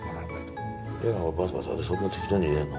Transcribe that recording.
バサバサってそんな適当に入れんの？